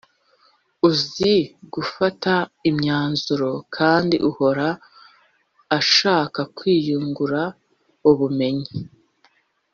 uzi gufata imyanzuro kandi uhora ashaka kwiyungura ubumenyi